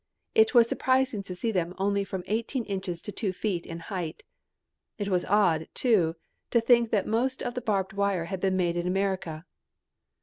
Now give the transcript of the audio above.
It was surprising to see them only from eighteen inches to two feet in height. It was odd, too, to think that most of the barbed wire had been made in America.